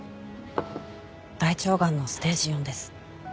大腸がんのステージⅣです。